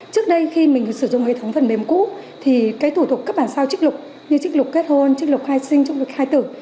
trước đây khi mình sử dụng hệ thống phần mềm cũ thì cái thủ tục cấp bản sao chức lục như chức lục kết hôn chức lục khai sinh chức lục khai tử